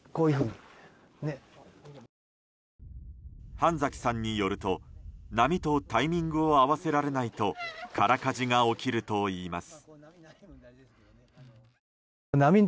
半崎さんによると、波とタイミングを合わせられないと空かじが起きるといいます。